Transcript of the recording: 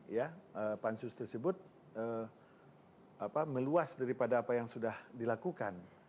ya pansus tersebut meluas daripada apa yang sudah dilakukan